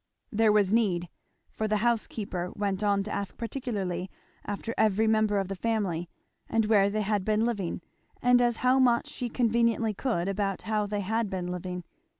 There was need; for the housekeeper went on to ask particularly after every member of the family, and where they had been living, and as much as she conveniently could about how they had been living.